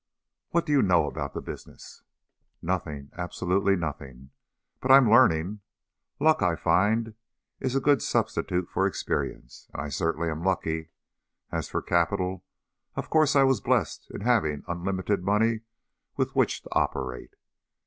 "What do you know about the business?" "Nothing. Absolutely nothing. But I am learning. Luck, I find, is a good substitute for experience, and I certainly am lucky. As for capital of course I was blessed in having unlimited money with which to operate.